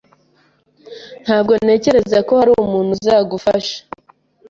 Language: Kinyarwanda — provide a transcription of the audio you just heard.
Ntabwo ntekereza ko hari umuntu uzagufasha.